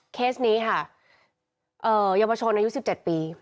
เคสนี้ค่ะเอ่อยมประชงอายุ๑๗ปี